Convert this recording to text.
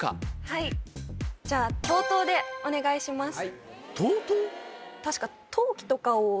はいじゃＴＯＴＯでお願いします